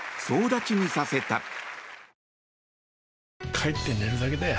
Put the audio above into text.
帰って寝るだけだよ